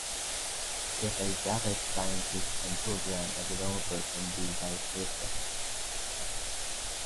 If a data scientist can program, a developer can do vice versa.